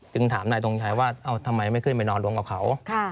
ถามนายทงชัยว่าทำไมไม่ขึ้นไปนอนรวมกับเขา